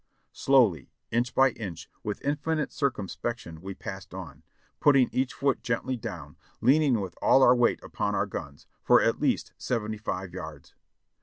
Slowly, inch by inch, with infinite circumspection we passed on, putting each foot gently down, leaning with all our weight upon our guns, for at least seventy five yards.